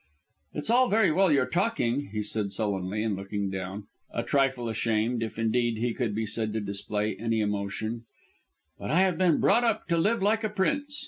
"It's all very well your talking," he said sullenly and looking down, a trifle ashamed, if indeed he could be said to display any emotion, "but I have been brought up to live like a prince.